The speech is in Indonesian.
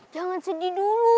jangan sedih dulu